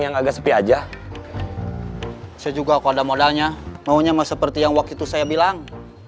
yang agak sepi aja saya juga kalau ada modalnya maunya seperti yang waktu itu saya bilang